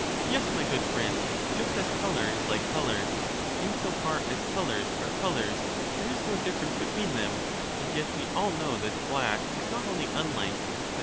Yes, my good friend, just as colour is like colour; — sources: in in so far as colours are colours, there is no difference between themselves them ; and yet we all know that black is not only unlike, but aiuince.